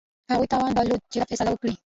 هغوی توان درلود چې دا فیصله وکړي.